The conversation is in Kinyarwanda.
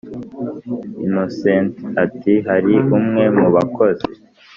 innocent ati”hari umwe mubakozi